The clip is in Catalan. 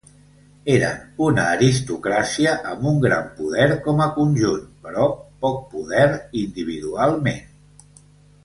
Eren una aristocràcia amb un gran poder com a conjunt però poc poder individualment.